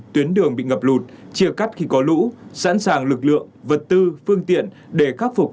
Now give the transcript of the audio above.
tuyến đường bị ngập lụt chia cắt khi có lũ sẵn sàng lực lượng vật tư phương tiện để khắc phục